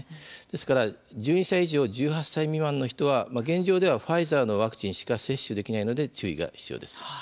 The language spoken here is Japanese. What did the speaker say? ですから１２歳以上１８歳未満の人は現状ではファイザーのワクチンしか接種できないので注意が必要です。